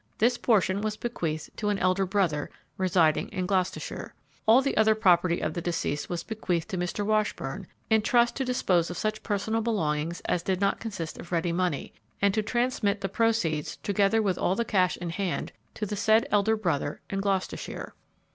This portion was bequeathed to an elder brother residing in Gloucestershire. All the other property of the deceased was bequeathed to Mr. Washburn, in trust to dispose of such personal belongings as did not consist of ready money, and to transmit the proceeds, together with all the cash in hand, to the said elder brother in Gloucestershire.